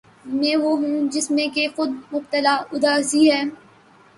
میں وہ ہوں جس میں کہ خود مبتلا اُداسی ہے